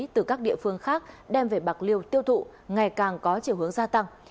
từ các địa phương khác đem về bạc liêu tiêu thụ ngày càng có chiều hướng gia tăng